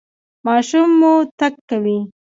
ماشوم مو تګ کوي؟